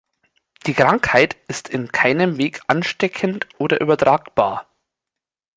Die Krankheit ist in keinem Weg ansteckend oder übertragbar.